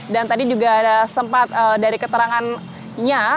dan tadi juga ada sempat dari keterangannya